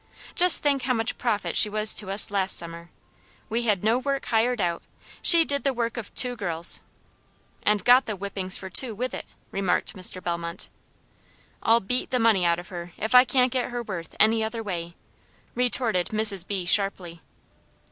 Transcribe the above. Just think how much profit she was to us last summer. We had no work hired out; she did the work of two girls " "And got the whippings for two with it!" remarked Mr. Bellmont. "I'll beat the money out of her, if I can't get her worth any other way," retorted Mrs. B. sharply.